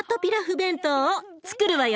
弁当をつくるわよ。